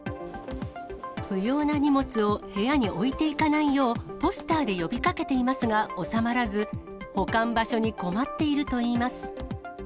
不要な荷物を部屋に置いていかないよう、ポスターで呼びかけていますが、収まらず、保管場所に困っているといいます。